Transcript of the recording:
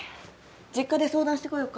実家で相談してこようか？